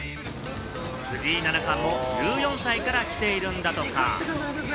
藤井七冠も１４歳から来ているんだとか。